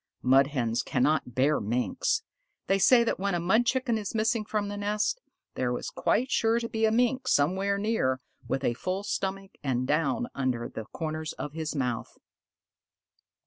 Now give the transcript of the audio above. Mud Hens cannot bear Minks. They say that when a Mud Chicken is missing from the nest, there is quite sure to be a Mink somewhere near with a full stomach and down around the corners of his mouth.